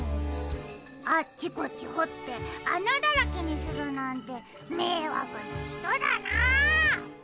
あっちこっちほってあなだらけにするなんてめいわくなひとだなあ。